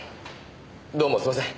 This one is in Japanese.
どうもすいません。